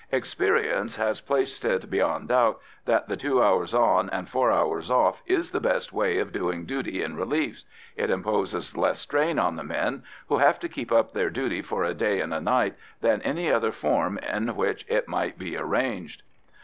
Experience has placed it beyond doubt that the "two hours on and four hours off" is the best way of doing duty in reliefs; it imposes less strain on the men, who have to keep up their duty for a day and a night, than any other form in which it could be arranged.